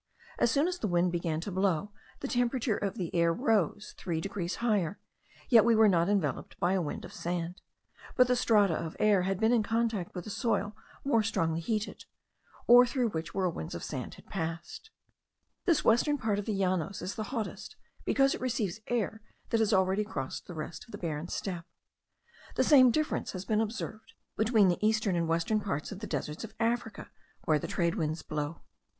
As soon as the wind began to blow, the temperature of the air rose 3 degrees higher, yet we were not enveloped by a wind of sand, but the strata of air had been in contact with a soil more strongly heated, or through which whirlwinds of sand had passed. This western part of the Llanos is the hottest, because it receives air that has already crossed the rest of the barren steppe. The same difference has been observed between the eastern and western parts of the deserts of Africa, where the trade winds blow.